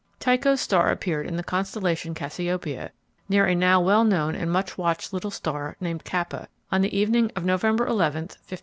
Tycho's star appeared in the constellation Cassiopeia, near a now well known and much watched little star named Kappa, on the evening of November 11, 1572.